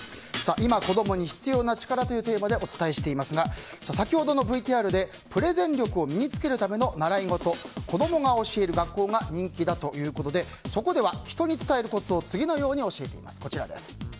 今、子供に必要な力というテーマでお伝えしていますが先ほどのＶＴＲでプレゼン力を身に着けるための習い事子どもが教える学校が人気だということでそこでは人に伝えるコツを次のように教えています。